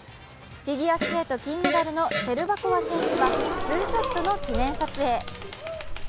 フィギュアスケート金メダルのシェルバコワ選手はツーショットの記念撮影。